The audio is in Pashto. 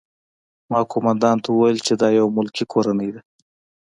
ما قومندان ته وویل چې دا یوه ملکي کورنۍ ده